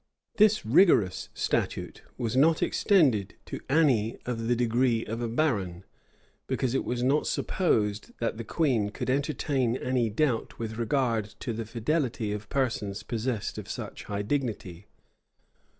This rigorous statute was not extended to any of the degree of a baron; because it was not supposed that the queen could entertain any doubt with regard to the fidelity of persons possessed of such high dignity.